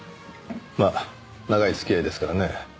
まあ長い付き合いですからねえ。